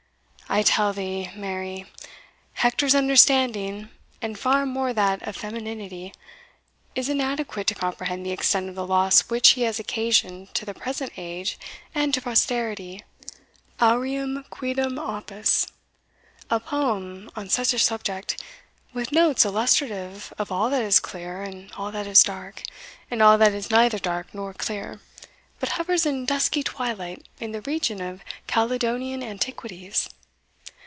I tell thee, Mary, Hector's understanding, and far more that of feminity, is inadequate to comprehend the extent of the loss which he has occasioned to the present age and to posterity aureum quidem opus a poem on such a subject, with notes illustrative of all that is clear, and all that is dark, and all that is neither dark nor clear, but hovers in dusky twilight in the region of Caledonian antiquities.